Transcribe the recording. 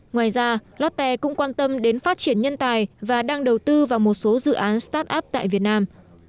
ngoài ra lotte cũng quan tâm đến phát triển nhân tài và đang đầu tư vào một số dự án start up tại việt nam